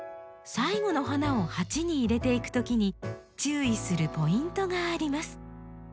最後の花を鉢に入れていくときに注意するポイントがあります。